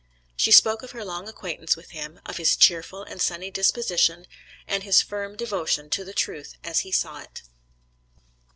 She spoke of her long acquaintance with him, of his cheerful and sunny disposition, and his firm devotion to the truth as he saw it.